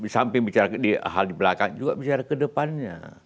sampai bicara hal di belakang juga bicara ke depannya